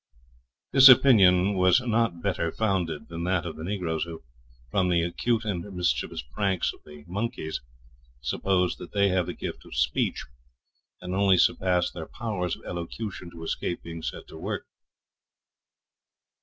This opinion was not better founded than that of the Negroes, who, from the acute and mischievous pranks of the monkeys, suppose that they have the gift of speech, and only suppress their powers of elocution to escape being set to work.